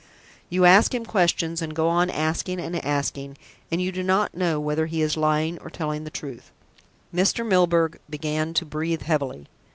You ask him questions and go on asking and asking, and you do not know whether he is lying or telling the truth." Mr. Milburgh began to breathe heavily.